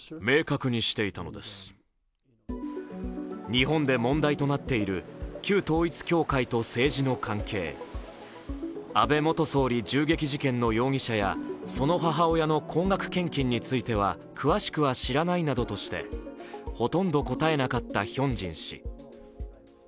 日本で問題となっている旧統一教会と政治の関係、安倍元総理銃撃事件の容疑者やその母親の高額献金については詳しくは知らないなどとしてほとんど答えなかったヒョンジン氏。